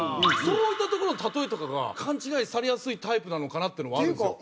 そういったとこの例えとかが勘違いされやすいタイプなのかなっていうのはあるんですよ。